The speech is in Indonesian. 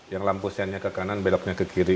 yang lampu sennya ke kanan beloknya ke kiri